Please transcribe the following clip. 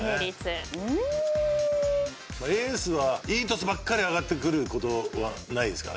エースはいいトスばっかり上がってくることはないですから。